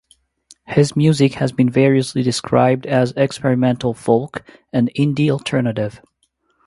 His music has been variously described as experimental folk and indie alternative.